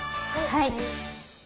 はい。